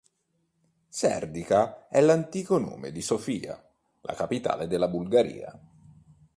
Serdica è l'antico nome di Sofia, la capitale della Bulgaria.